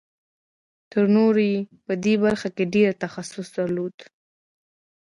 تر نورو یې په دې برخه کې ډېر تخصص درلود